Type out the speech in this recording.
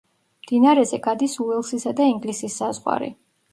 მდინარეზე გადის უელსისა და ინგლისის საზღვარი.